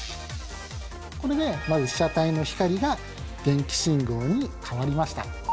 これでまず被写体の光が電気信号に変わりました。